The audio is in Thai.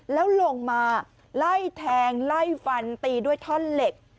แล้วลงมาไล่แทงไล่ฟันตีด้วยท่อนเหล็ก